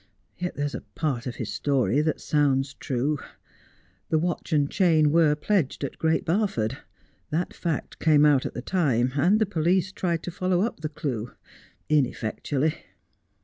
Yet there's a part of his story that sounds true. The watch and chain were pledged at Great Barford. That fact came out at the time, and the police tried to follow up the clue, ineffectually.'